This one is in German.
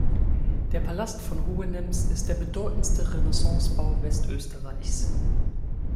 Der Palast von Hohenems ist der bedeutendste Renaissancebau Westösterreichs.